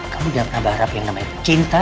kamu udah pernah berharap yang namanya cinta